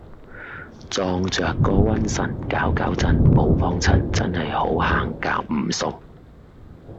撞著個瘟神攪攪震冇幫襯真喺好行夾唔送